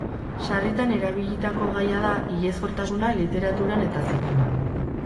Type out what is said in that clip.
Sarritan erabilitako gaia da hilezkortasuna literaturan eta zineman.